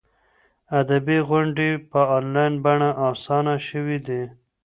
ادبي غونډې په انلاین بڼه اسانه شوي دي.